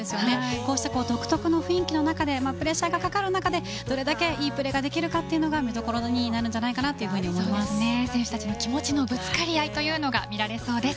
こうした独特の雰囲気の中でプレッシャーがかかる中でどれだけいいプレーができるかというのが見どころになるんじゃないかと選手たちの気持ちのぶつかり合いというのが見られそうです。